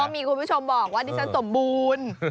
มีคุณผู้ชมบอกว่าดิฉันสมบูรณ์